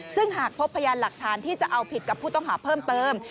ซึ่งหากพบพยานหลักฐานที่จะเอาผิดกับผู้ต้องหาเพิ่มเติม